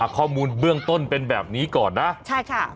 ข้อมูลเบื้องต้นเป็นแบบนี้ก่อนนะใช่ค่ะ